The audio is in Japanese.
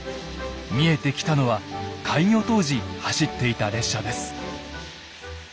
見えてきたのは開業当時走っていた列車です。